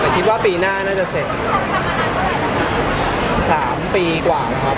แต่คิดว่าปีหน้าน่าจะเสร็จ๓ปีกว่านะครับ